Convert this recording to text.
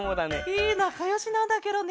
へえなかよしなんだケロね。